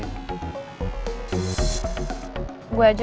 gue aja yang pake sendiri